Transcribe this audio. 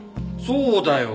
そうだよ。